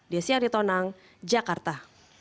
desyari tonang jakarta